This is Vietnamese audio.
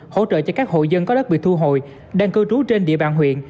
hỗ trợ cho các hộ dân có đất bị thu hồi đang cư trú trên địa bàn huyện